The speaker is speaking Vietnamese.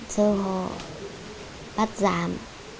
sơ hộ bắt giảm